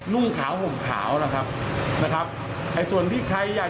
นุ่มขาวห่มขาวนะครับ